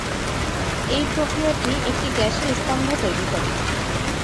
এই প্রক্রিয়াটি একটি গ্যাসের স্তম্ভ তৈরি করে।